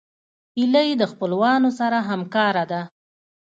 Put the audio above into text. هیلۍ د خپلوانو سره همکاره ده